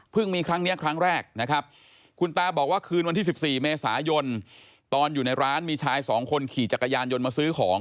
มีครั้งนี้ครั้งแรกนะครับคุณตาบอกว่าคืนวันที่๑๔เมษายนตอนอยู่ในร้านมีชายสองคนขี่จักรยานยนต์มาซื้อของ